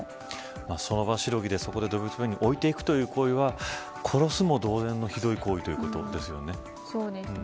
その場しのぎで動物病院に置いていくという行為は殺すも同然のひどい行為ということですよね。